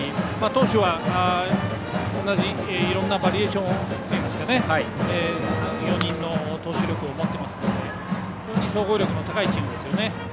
投手は、いろんなバリエーションといいますか３４人の投手力を持っていますから非常に総合力の高いチームですね。